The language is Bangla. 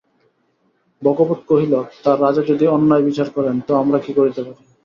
ভাগবত কহিল, তা রাজা যদি অন্যায় বিচার করেন তো আমরা কী করিতে পারি।